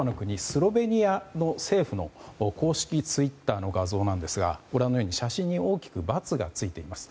スロベニアの政府の公式ツイッターの画像なんですがご覧のように写真に大きくバツがついています。